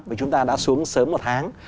vì chúng ta đã xuống sớm một tháng